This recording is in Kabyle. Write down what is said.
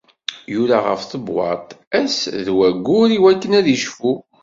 Yura ɣef tbewwaḍt ass d wayyur iwakken ad icfu.